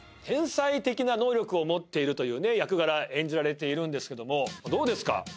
天才的な能力を持っている役柄演じられているんですけどもどうですか？